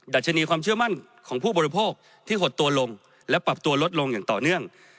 ัชนีความเชื่อมั่นของผู้บริโภคที่หดตัวลงและปรับตัวลดลงอย่างต่อเนื่อง